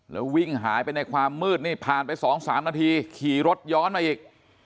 แล้ววิ่งหายไปในความมืดนี่ผ่านไป๒๓นาทีขี่รถย้อนมาอีก